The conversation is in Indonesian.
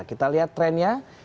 kita lihat trendnya